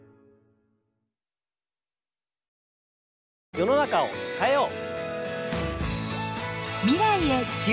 世の中を変えよう。